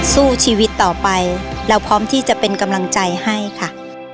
สู้ชีวิตต่อไปเราพร้อมที่จะเป็นกำลังใจให้ค่ะ